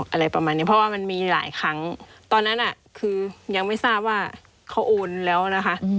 อะไรประมาณนี้เพราะว่ามันมีหลายครั้งตอนนั้นอ่ะคือยังไม่ทราบว่าเขาโอนแล้วนะคะ